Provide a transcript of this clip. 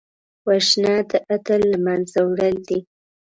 وژنه د عدل له منځه وړل دي